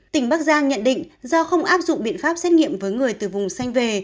tỉnh bắc giang nhận định do không áp dụng biện pháp xét nghiệm với người từ vùng xanh về